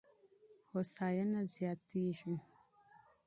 هوساينه زياتېږي.